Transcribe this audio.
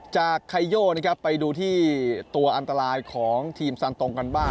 จากไคโยไปดูที่ตัวอันตรายของทีมซานตรงกันบ้าง